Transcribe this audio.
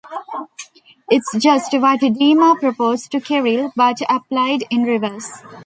It's just what Dima proposed to Kirill, but applied in reverse.